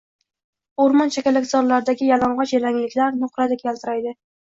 O`rmon chakalakzorlaridagi yalang`och yalangliklar nuqradek yaltiraydi